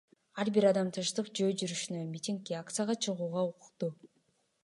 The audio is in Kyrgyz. Ар бир адам тынчтык жөө жүрүшүнө, митингге, акцияга чыгууга укуктуу.